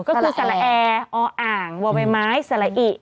ก็คือแสระแอออ่างว่าบ่ายไม้สระอิ